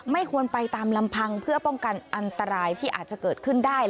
ไม่ควรไปตามลำพังเพื่อป้องกันอันตรายที่อาจจะเกิดขึ้นได้